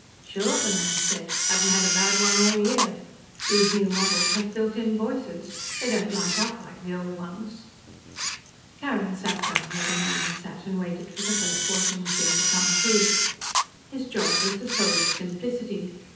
"Sure," the man said. "Haven't had a bad one all year. These new models here have built in voices. They don't light up like the old ones." Carrin sat down where the man had sat and waited for the first washing machine to come through. His job was the soul of simplicity.